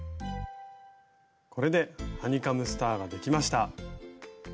これでハニカムスターができました！